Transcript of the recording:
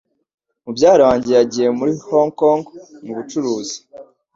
Mubyara wanjye yagiye muri Hong Kong mu bucuruzi.